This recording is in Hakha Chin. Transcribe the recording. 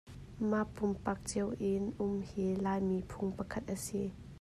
Mah pumpak cio in um hi Laimi phung pakhat a si.